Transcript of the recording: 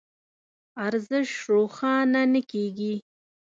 ارزش روښانه نه کېږي.